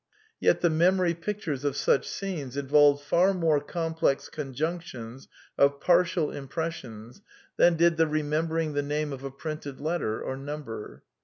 Yet the memory pictures of such scenes involved far more com plex conjunctions of partial impressions than did the remem bering the name of a printed letter or number.